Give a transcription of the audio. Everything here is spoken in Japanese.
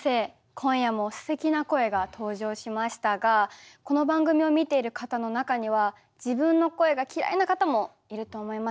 今夜もすてきな声が登場しましたがこの番組を見ている方の中には自分の声が嫌いな方もいると思います。